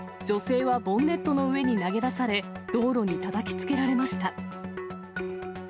女性はボンネットの上に投げ出され、道路にたたきつけられました。